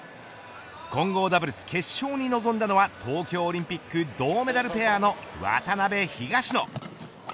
混合ダブルス決勝に臨んだのは東京オリンピック銅メダルペアの渡辺、東野。